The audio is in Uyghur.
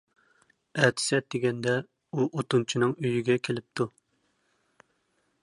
ئەتىسى ئەتىگەندە، ئۇ ئوتۇنچىنىڭ ئۆيىگە كېلىپتۇ.